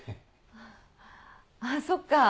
あっあっそっか。